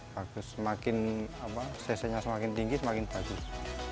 bagus semakin cc nya semakin tinggi semakin bagus